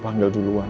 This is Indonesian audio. ibu mengurus kamu